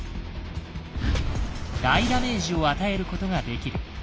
大ダメージを与えることができる。